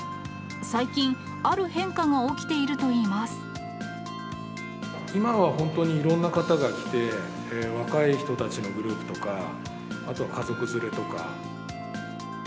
最近、ある変化が起きているとい今は本当に、いろんな方が来て、若い人たちのグループとか、あとは家族連れとか。